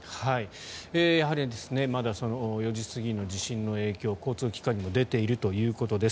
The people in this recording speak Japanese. やはりまだ４時過ぎの地震の影響が交通機関にも出ているということです。